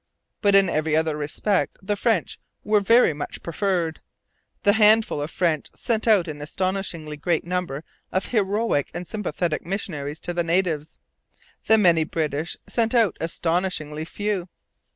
But in every other respect the French were very much preferred. The handful of French sent out an astonishingly great number of heroic and sympathetic missionaries to the natives. The many British sent out astonishingly few.